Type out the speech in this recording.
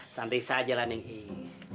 santai saja lah neng is